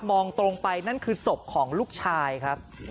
มองตรงไปนั่นคือศพของลูกชายครับ